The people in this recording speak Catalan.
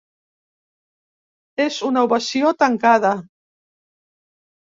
És una ovació tancada.